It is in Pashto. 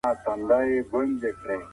نسب ارزښت لري.